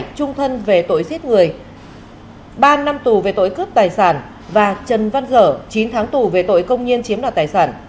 trung thân về tội giết người ba năm tù về tội cướp tài sản và trần văn dở chín tháng tù về tội công nhiên chiếm đoạt tài sản